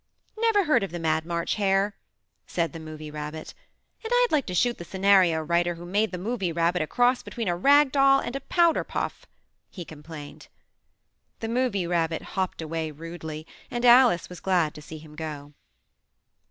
"Never heard of the mad March Hare," said the Movie Rabbit. "And I'd like to shoot the scenario writer who made th ■• Movie Rabbit a cross between a rag doll and a powder puff," he complained. The Movie Rabbit hopped away rudely, and Alice was glad to see him go.